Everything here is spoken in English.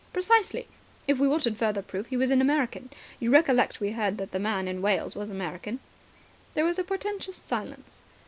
"Precisely. If we wanted further proof, he was an American. You recollect that we heard that the man in Wales was American." There was a portentous silence.